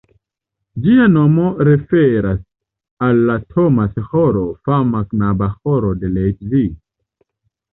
Ĝia nomo referas al la Thomas-ĥoro, fama knaba ĥoro de Leipzig.